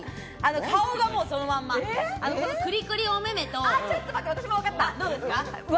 顔がもうそのまんま、クリクリお目目とＹ。